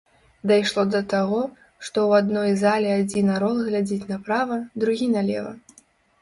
Дайшло да таго, што ў адной зале адзін арол глядзіць направа, другі налева!